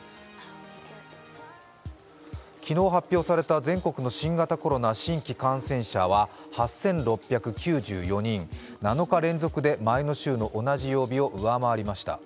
昨日発表された全国の新型コロナ新規感染者は８６９４人、７日連続で前の週の同じ曜日を上回りました。